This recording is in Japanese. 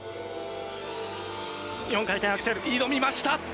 ４回転アクセル、挑みました。